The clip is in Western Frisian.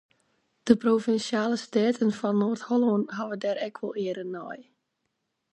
De Provinsjale Steaten fan Noard-Hollân hawwe dêr ek wol earen nei.